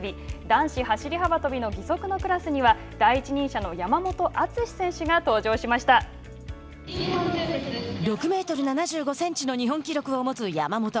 男子走り幅跳びの義足のクラスには第一人者の山本篤選手が６メートル７５センチの日本記録を持つ山本。